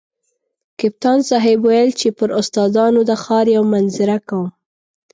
کپتان صاحب ویل چې پر استادانو د ښار یوه منظره کوم.